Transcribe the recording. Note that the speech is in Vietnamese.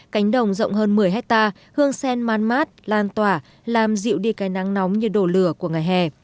cánh đồng rộng hơn một mươi hectare hương sen man mát lan tỏa làm dịu đi cây nắng nóng như đổ lửa của ngày hè